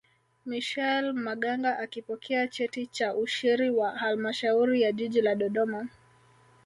michel maganga akipokea cheti cha ushiri wa halmashauri ya jiji la dodoma